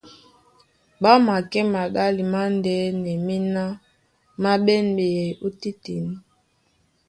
Ɓá makɛ́ maɗále mándɛ́nɛ, méná má ɓɛ́n ɓeyɛy ótétěn.